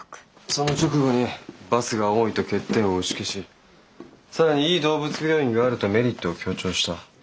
その直後にバスが多いと欠点を打ち消し更にいい動物病院があるとメリットを強調した。